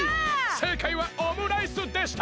せいかいはオムライスでした！